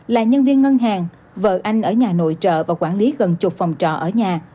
là nhân viên ngân hàng vợ anh ở nhà nội trợ và quản lý gần chục phòng trọ ở nhà